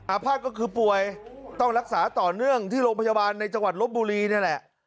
ภาษณ์ก็คือป่วยต้องรักษาต่อเนื่องที่โรงพยาบาลในจังหวัดลบบุรีนี่แหละ